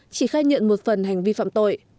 chỉ khai nhận một phần hành vi phạm tội